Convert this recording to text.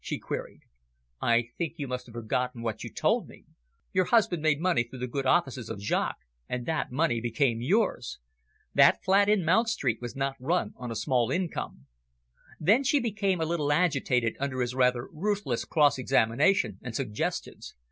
she queried. "I think you must have forgotten what you told me. Your husband made money through the good offices of Jaques, and that money became yours. That flat in Mount Street was not run on a small income." She became a little agitated under his rather ruthless cross examination and suggestions.